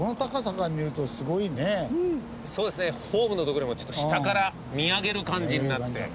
ホームの所よりもちょっと下から見上げる感じになって。